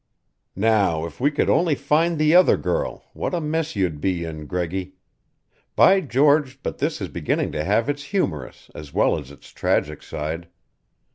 "Now, if we could only find the other girl, what a mess you'd be in, Greggy! By George, but this is beginning to have its humorous as well as its tragic side.